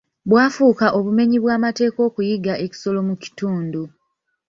Bwafuuka obumenyi bw'amateeka okuyigga ekisolo mu kitundu.